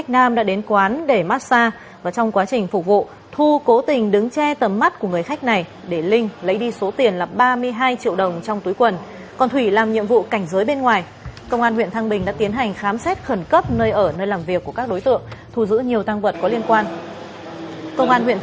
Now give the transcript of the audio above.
các bạn hãy đăng ký kênh để ủng hộ kênh của chúng mình nhé